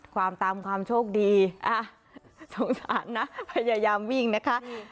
ความตามความโชคดีสงสารนะพยายามวิ่งนะคะ